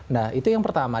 nah itu yang pertama